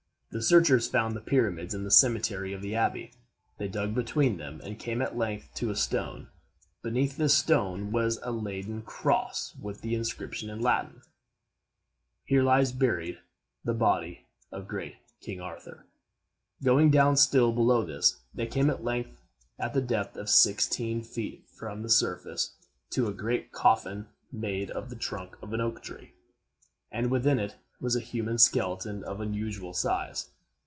The searchers found the pyramids in the cemetery of the abbey. They dug between them, and came at length to a stone. Beneath this stone was a leaden cross, with the inscription in Latin, "HERE LIES BURIED THE BODY OF GREAT KING ARTHUR." Going down still below this, they came at length, at the depth of sixteen feet from the surface, to a great coffin, made of the trunk of an oak tree, and within it was a human skeleton of unusual size.